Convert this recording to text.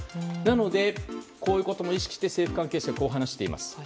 こういうことを意識して政府関係者はこう話しています。